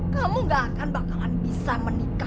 kamu gak akan bakalan bisa menikah